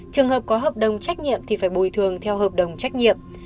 trường hợp có hợp đồng trách nhiệm thì phải bồi thường theo hợp đồng trách nhiệm